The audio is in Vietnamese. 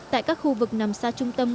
tại các khu vực nằm xa trung tâm